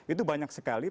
itu banyak sekali